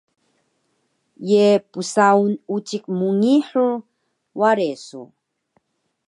Ye psaun ucik mngihur ware su?